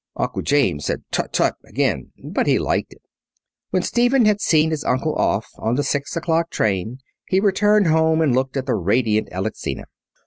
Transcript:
Uncle James said, "Tut, tut," again, but he liked it. When Stephen had seen his uncle off on the six o'clock train he returned home and looked at the radiant Alexina.